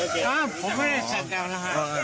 ครับผมไม่ได้เสียงดังนะคะ